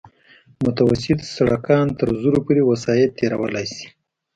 متوسط سرکونه تر زرو پورې وسایط تېرولی شي